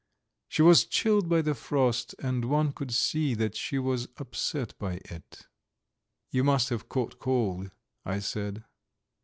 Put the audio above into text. She was chilled by the frost and one could see that she was upset by it. "You must have caught cold," I said.